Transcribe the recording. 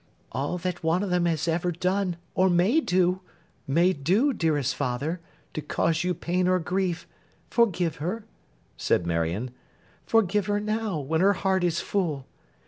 'All that one of them has ever done, or may do—may do, dearest father—to cause you pain or grief, forgive her,' said Marion, 'forgive her now, when her heart is full.